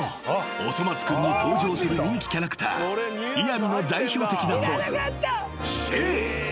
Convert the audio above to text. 『おそ松くん』に登場する人気キャラクターイヤミの代表的なポーズ］